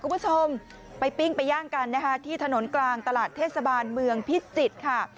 คุณผู้ชมไปปิ้งไปย่างกันนะคะที่ถนนกลางตลาดเทศบาลเมืองพิจิตรค่ะ